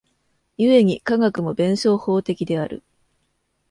故に科学も弁証法的である。